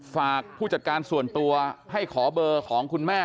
ผู้จัดการส่วนตัวให้ขอเบอร์ของคุณแม่